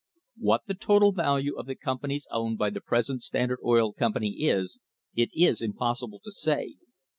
What the total value of the com panies owned by the present Standard Oil Company is it is impossible to say.